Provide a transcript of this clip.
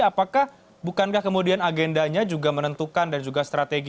apakah bukankah kemudian agendanya juga menentukan dan juga strategi